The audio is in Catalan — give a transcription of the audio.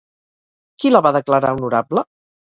Qui la va declarar honorable?